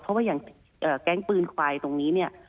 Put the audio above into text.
เพราะว่าอย่างแก๊งปืนควายตรงนี้เนี่ย